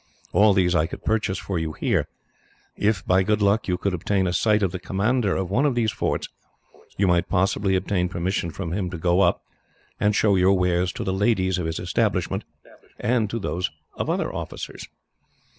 All these I could purchase for you here. If, by good luck, you could obtain a sight of the commander of one of these forts, you might possibly obtain permission from him to go up, and show your wares to the ladies of his establishment, and to those of other officers.